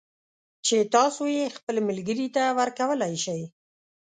چې تاسو یې خپل ملگري ته ورکولای شئ